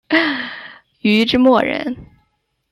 禹之谟人。